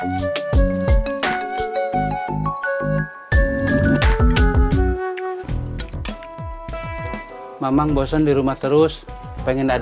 beneran ternyata untuk calculate semangat